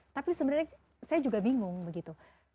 tapi sebenarnya saya juga bingung begitu